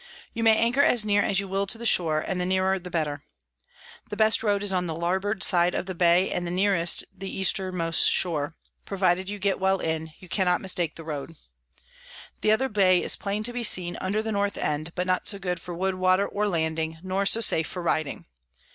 You may anchor as near as you will to the shore, and the nearer the better. The best Road is on the Larboard side of the Bay, and nearest the Eastermost Shore: provided you get well in, you cannot mistake the Road. The other Bay is plain to be seen under the North end, but not so good for Wood, Water, or Landing, nor so safe for riding.